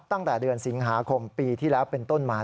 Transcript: ตั้งแต่เดือนสิงหาคมปีที่แล้วเป็นต้นมา